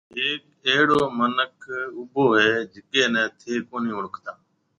هيڪ اهڙو مِنک اُڀو هيَ جڪَي نَي ٿَي ڪونهي اوݪکتا۔